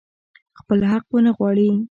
خپل حق ونه غواړي.